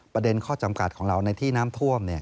ประเด็นข้อจำกัดของเราในที่น้ำท่วม